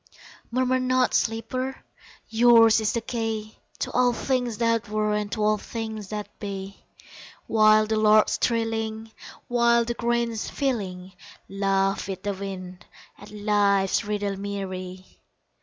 Murmur not, sleeper! Yours is the key To all things that were and To all things that be While the lark's trilling, While the grain's filling, Laugh with the wind At Life's Riddle me ree!